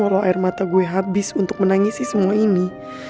kalau air mata gue habis untuk menangisi semua ini